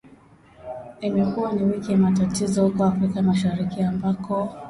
Imekuwa ni wiki ya matatizo huko Afrika Mashariki ambako